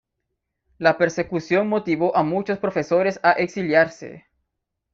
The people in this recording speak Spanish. La persecución motivó a muchos profesores a exiliarse.